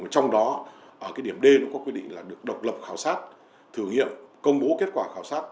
trong đó ở cái điểm d nó có quy định là được độc lập khảo sát thử nghiệm công bố kết quả khảo sát